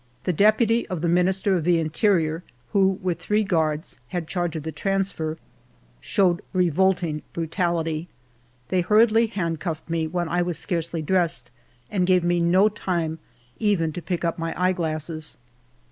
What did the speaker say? The deputy of the Minister of the Interior, who, with three guards, had charge of the transfer, showed revolting brutality. They hurriedlv handcuffed me when I was 74 FIVE YEARS OF MY LIFE scarcely dressed and gave me no time even to pick up my eye glasses.